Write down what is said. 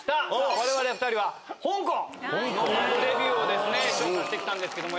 我々２人は香港の謎レビューをですね調査してきたんですけども。